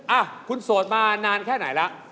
อ่ะคุณโสดมานานแค่ไหนละ